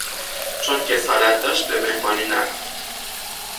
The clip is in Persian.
چون کسالت داشت به مهمانی نرفت.